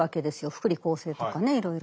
福利厚生とかねいろいろな。